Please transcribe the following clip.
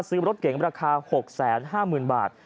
ซื้อรถเก๋งราคา๖๕๐๐๐บาท